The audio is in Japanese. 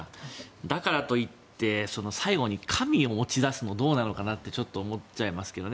だからといって最後に神を持ち出すのはどうなのかなってちょっと思っちゃいますけどね。